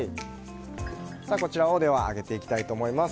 こちらを揚げていきたいと思います。